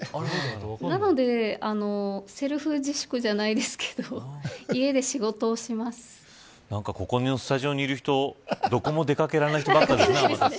なのでセリフ自粛じゃないですけどここのスタジオにいる人どこも出掛けられない人ばっかりですね。